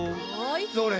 それ！